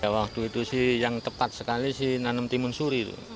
waktu itu sih yang tepat sekali sih nanam timun suri